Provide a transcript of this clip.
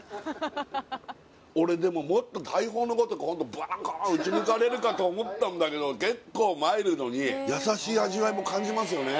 俺でももっと大砲のごとくバッカーン撃ち抜かれるかと思ったんだけど結構マイルドに優しい味わいも感じますよね・